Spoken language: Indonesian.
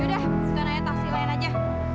yaudah sekarang ya taksikan aja